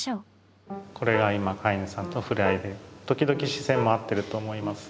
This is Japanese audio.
これが今飼い主さんとの触れ合いで時々視線も合ってると思います。